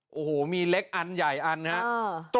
โอ้โหมีเล็กอันใหญ่อันนะครับ